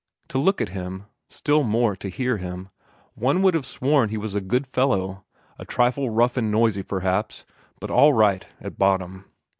To look at him, still more to hear him, one would have sworn he was a good fellow, a trifle rough and noisy, perhaps, but all right at bottom.